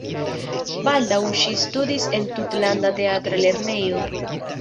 Baldaŭ ŝi studis en Tutlanda Teatra Lernejo.